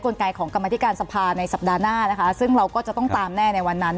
ไกของกรรมธิการสภาในสัปดาห์หน้านะคะซึ่งเราก็จะต้องตามแน่ในวันนั้น